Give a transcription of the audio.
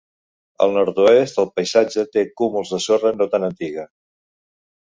Al nord-oest el paisatge té cúmuls de sorra no tan antiga.